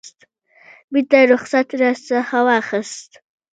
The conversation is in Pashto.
بیرته یې رخصت راڅخه واخیست.